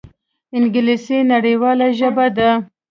انګلیسي نړیواله ژبه ده